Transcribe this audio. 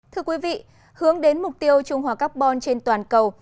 thưa quý vị hướng đến mục tiêu trung hòa carbon trên toàn cầu